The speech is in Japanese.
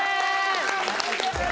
やったー！